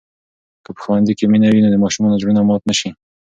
که په ښوونځي کې مینه وي، نو د ماشومانو زړونه مات نه سي.